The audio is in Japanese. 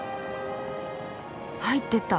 入ってった。